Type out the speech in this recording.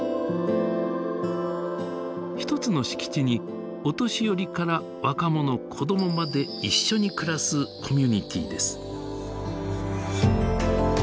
一つの敷地にお年寄りから若者子どもまで一緒に暮らすコミュニティーです。